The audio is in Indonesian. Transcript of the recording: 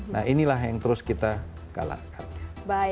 nah inilah yang terus kita galakkan